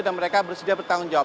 mereka bersedia bertanggung jawab